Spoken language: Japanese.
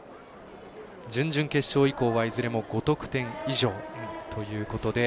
準々決勝以降はいずれも５得点以上ということで。